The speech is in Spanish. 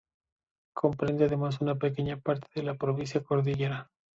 Comprende además una pequeña parte de la provincia Cordillera.